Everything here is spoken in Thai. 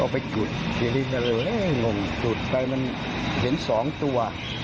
ไปกุดเกรงงงกุดไปมันเห็นสองตัว